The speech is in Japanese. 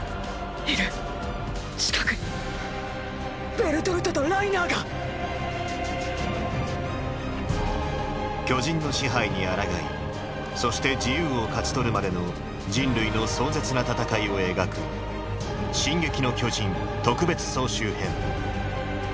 いる近くにベルトルトとライナーが巨人の支配に抗いそして自由を勝ち取るまでの人類の壮絶な戦いを描く「進撃の巨人特別総集編」。